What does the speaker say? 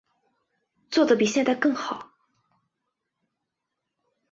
做得比现在更好